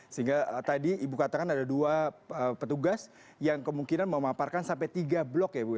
sehingga tadi ibu katakan ada dua petugas yang kemungkinan memaparkan sampai tiga blok ya bu